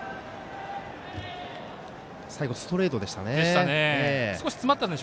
最後、ストレートでしたね。